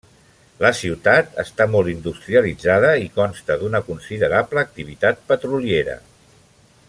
La ciutat està molt industrialitzada i consta d'una considerable activitat petroliera.